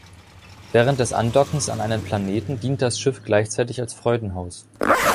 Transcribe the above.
Während des Andockens an einen Planeten dient das Schiff gleichzeitig als Freudenhaus.